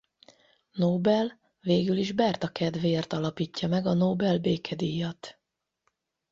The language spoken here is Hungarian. Nobel végül is Bertha kedvéért alapítja meg a Nobel-békedíjat.